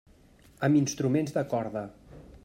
Amb instruments de corda.